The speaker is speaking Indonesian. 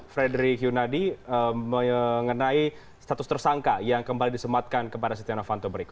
frederick yunadi mengenai status tersangka yang kembali disematkan kepada setia novanto berikut